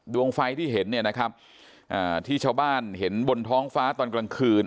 ดวงไฟที่เห็นเนี่ยนะครับอ่าที่ชาวบ้านเห็นบนท้องฟ้าตอนกลางคืน